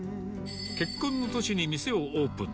結婚の年に店をオープン。